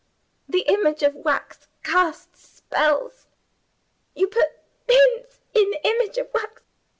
The image of wax casts spells. You put pins in the image of wax.